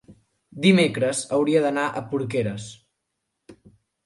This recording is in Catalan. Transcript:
dimecres hauria d'anar a Porqueres.